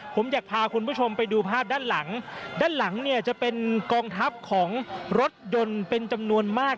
ผมอยากพาคุณผู้ชมไปดูภาพด้านหลังด้านหลังเนี่ยจะเป็นกองทัพของรถยนต์เป็นจำนวนมาก